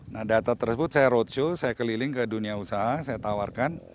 nah data tersebut saya roadshow saya keliling ke dunia usaha saya tawarkan